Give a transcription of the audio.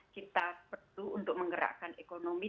kita perlu untuk menggerakkan ekonomi